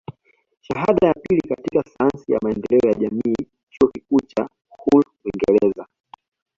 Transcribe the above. Shahada ya pili katika sayansi ya maendeleo ya jamii Chuo Kikuu cha Hull Uingereza